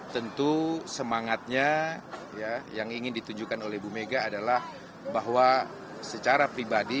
tentu semangatnya yang ingin ditunjukkan oleh bu mega adalah bahwa secara pribadi